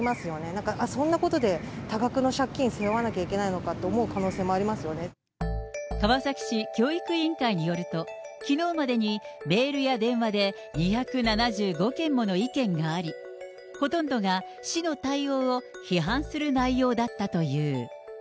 なんか、あっ、そんなことで多額の借金背負わなくちゃいけないのかと思う可能性川崎市教育委員会によると、きのうまでにメールや電話で２７５件もの意見があり、ほとんどが市の対応を批判する内容だったという。